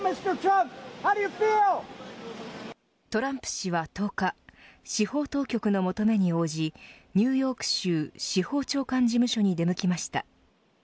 トランプ氏は１０日司法当局の求めに応じニューヨーク州司法長官事務所に出向きました。